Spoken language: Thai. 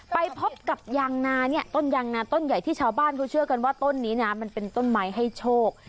ไปพบกับยางนาเนี่ยต้นยางนาต้นใหญ่ที่ชาวบ้านเขาเชื่อกันว่าต้นนี้นะมันเป็นต้นไม้ให้โชค